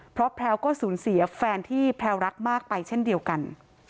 เพราะแพลวก็สูญเสียแฟนที่แพลวรักมากไปเช่นเดียวกัน